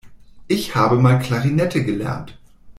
Ich habe mal Klarinette gelernt.